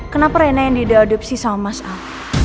kenapa rena yang diadopsi sama mas al